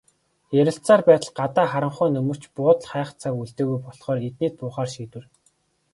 Ярилцсаар байтал гадаа харанхуй нөмөрч, буудал хайх цаг үлдээгүй болохоор эднийд буухаар шийдэв.